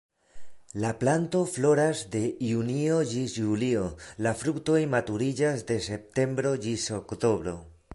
La planto floras de junio ĝis julio, la fruktoj maturiĝas de septembro ĝis oktobro.